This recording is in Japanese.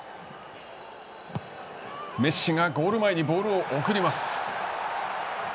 メッシがゴール前にボールを送ります。